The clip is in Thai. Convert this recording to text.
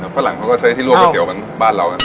เดี๋ยวฝรั่งเขาก็ใช้ที่รวบก๋วยเตี๋ยวเหมือนบ้านเรากัน